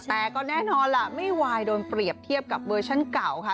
แต่ก็แน่นอนล่ะไม่ไหวโดนเปรียบเทียบกับเวอร์ชั่นเก่าค่ะ